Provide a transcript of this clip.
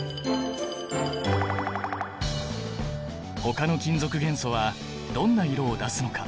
ほかの金属元素はどんな色を出すのか？